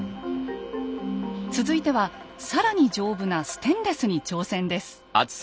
続いては更に丈夫なステンレスに挑戦です。